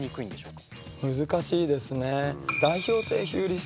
難しいですね。